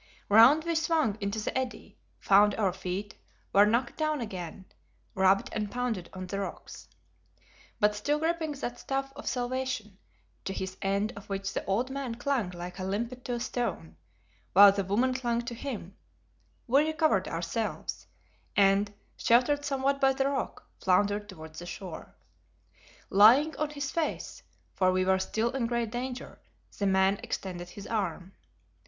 Round we swung into the eddy, found our feet, were knocked down again, rubbed and pounded on the rocks. But still gripping that staff of salvation, to his end of which the old man clung like a limpet to a stone, while the woman clung to him, we recovered ourselves, and, sheltered somewhat by the rock, floundered towards the shore. Lying on his face for we were still in great danger the man extended his arm.